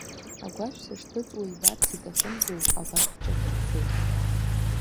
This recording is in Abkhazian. Агәашә сышҭыҵуа ибарц иҭахымзу, абаҳчахь дцеит.